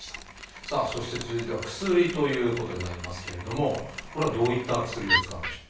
さあそして続いては「薬」ということになりますけれどもこれはどういった薬を使うんでしょう？